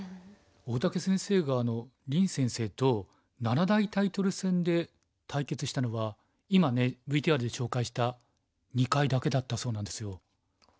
大竹先生が林先生と七大タイトル戦で対決したのは今ねＶＴＲで紹介した２回だけだったそうなんですよ。